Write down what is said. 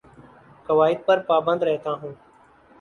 قوائد پر پابند رہتا ہوں